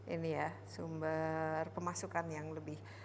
ini ya sumber pemasukan yang lebih